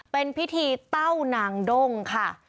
เป็นพิธีเต้านางด้งค่ะ